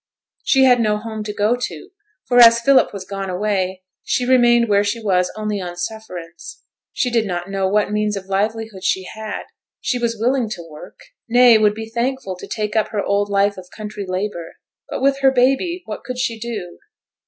She had no home to go to; for as Philip was gone away, she remained where she was only on sufferance; she did not know what means of livelihood she had; she was willing to work, nay, would be thankful to take up her old life of country labour; but with her baby, what could she do?